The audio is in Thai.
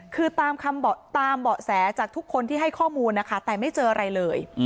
คือตามเบาะแสจากทุกคนที่ให้ข้อมูลนะคะแต่ไม่เจออะไรเลย